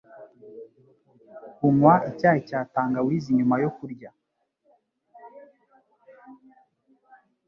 unywa icyayi cya tangawizi nyuma yo kurya